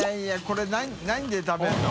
海何で食べるの？